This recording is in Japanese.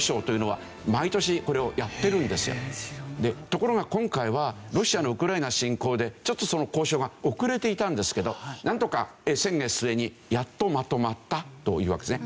ところが今回はロシアのウクライナ侵攻でちょっとその交渉が遅れていたんですけどなんとか先月末にやっとまとまったというわけですね。